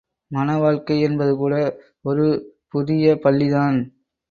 மண வாழ்க்கை என்பது கூட ஒரு புதிய பள்ளிதான்.